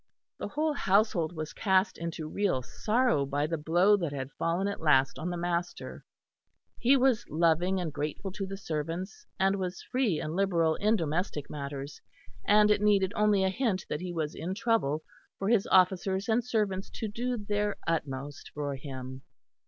The whole household was cast into real sorrow by the blow that had fallen at last on the master; he was "loving and grateful to servants"; and was free and liberal in domestic matters, and it needed only a hint that he was in trouble, for his officers and servants to do their utmost for him.